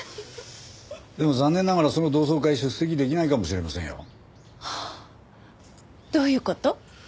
でも残念ながらその同窓会出席できないかもしれませんよ。はあどういう事？